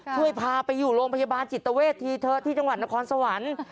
ช่วยพาไปอยู่โรงพยาบาลจิตเวททีเถอะที่จังหวัดนครสวรรค์